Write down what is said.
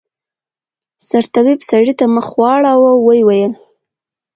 سرطبيب سړي ته مخ واړاوه ويې ويل.